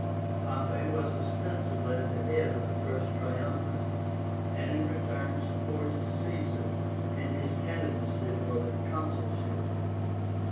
Pompey was ostensibly at the head of the first Triumvirate, and in return supported Caesar in his candidacy for the consulship.